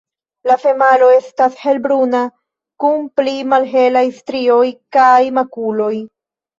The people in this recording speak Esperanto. La femalo estas helbruna, kun pli malhelaj strioj kaj makuloj.